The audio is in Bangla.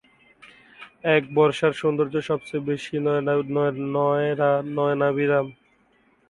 এর বর্ষায় সৌন্দর্য সবচেয়ে বেশি নয়নাভিরাম।